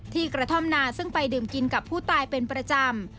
กระท่อมนาซึ่งไปดื่มกินกับผู้ตายเป็นประจำ